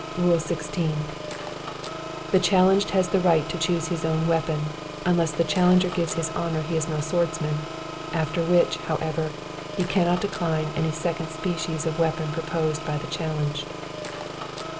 "Rule 16. The challenged has the right to choose his own weapon, unless the challenger gives his honor he is no swordsman; after which, however, he cannot decline any second species of weapon proposed by the challenged.